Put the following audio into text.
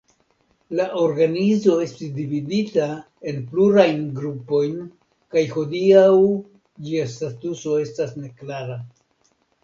La organizo estis dividita en plurajn grupojn kaj hodiaŭ ĝia statuso estas neklara.